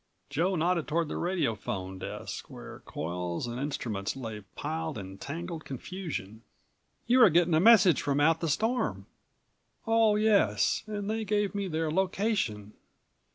Joe nodded toward the radiophone desk where coils and instruments lay piled in tangled confusion. "You were getting a message from out the storm." "Oh yes, and they gave me their location.